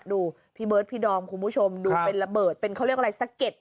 พี่เบิร์ดพี่ดอมคุณผู้ชมดูเป็นระเบิดเป็นเขาเรียกอะไรสะเก็ด